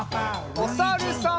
おさるさん。